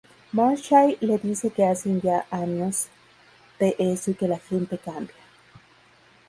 Marshall le dice que hacen ya años de eso y que la gente cambia.